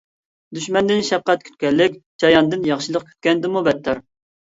دۈشمەندىن شەپقەت كۈتكەنلىك چاياندىن ياخشىلىق كۈتكەندىنمۇ بەتتەر.